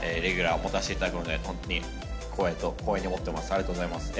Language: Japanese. ありがとうございます。